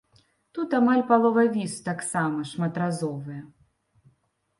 Тут амаль палова віз таксама шматразовыя.